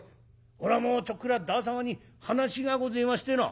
「おらもちょっくら旦様に話がごぜえましてな」。